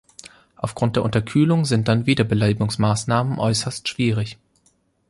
Aufgrund der Unterkühlung sind dann Wiederbelebungsmaßnahmen äußerst schwierig.